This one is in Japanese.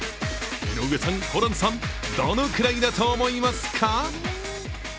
井上さん、ホランさん、どのくらいだと思いますか？